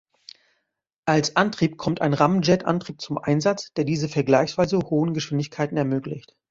Als Antrieb kommt ein Ramjet-Antrieb zum Einsatz, der diese vergleichsweise hohen Geschwindigkeiten ermöglicht.